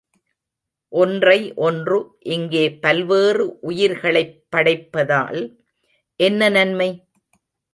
ஒன்றை ஒன்று இங்கே பல்வேறு உயிர்களைப் படைப்பதால் என்ன நன்மை?